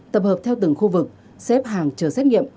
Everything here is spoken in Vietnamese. tập hợp theo từng khu vực xếp hàng chờ xét nghiệm